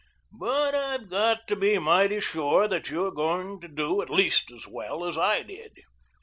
But I've got to be mighty sure that you are going to do at least as well as I did.